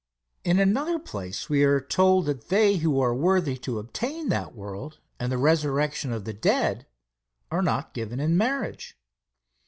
In another place we are told that they who are worthy to obtain that world and the resurrection of the dead, are not given in marriage.